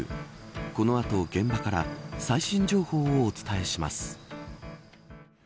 この後、現場から最新情報をお伝えします。